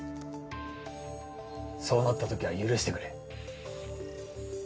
そうなったときは、許してくれ。